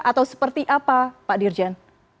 atau seperti apa pak dirjen